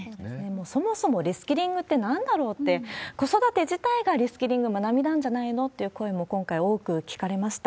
そもそもリスキリングってなんだろうって、子育て自体がリスキリング、学びなんじゃないのっていう声も、今回多く聞かれました。